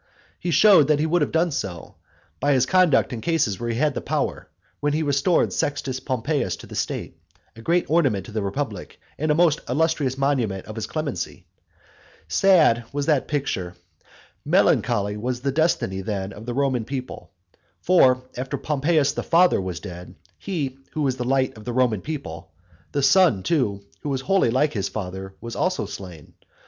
He showed that he would have done so, by his conduct in cases where he had the power, when he restored Sextus Pompeius to the state, a great ornament to the republic, and a most illustrious monument of his clemency. Sad was that picture, melancholy was the destiny then of the Roman people. For after Pompeius the father was dead, he who was the light of the Roman people, the son too, who was wholly like his father, was also slain.